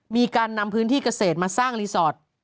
มีการนำพื้นที่เกษตรมาสร้างรีสอร์ท